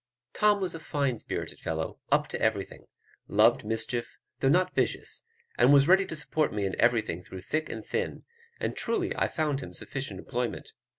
Tom was a fine spirited fellow, up to everything; loved mischief, though not vicious; and was ready to support me in everything through thick and thin; and truly I found him sufficient employment.